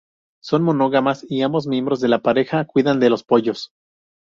Son monógamas y ambos miembros de la pareja cuidan de los pollos.